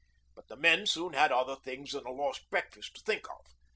But the men soon had other things than a lost breakfast to think of.